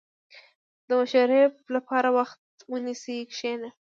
• د مشورې لپاره وخت ونیسه، کښېنه.